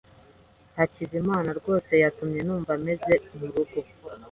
Hakizimana rwose yatumye numva meze murugo.